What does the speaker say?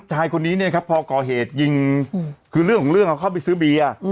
ชายคนนี้เนี่ยครับพอก่อเหตุยิงคือเรื่องของเรื่องเขาเข้าไปซื้อเบียร์